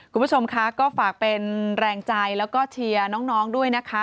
คุณผู้ชมคะก็ฝากเป็นแรงใจแล้วก็เชียร์น้องด้วยนะคะ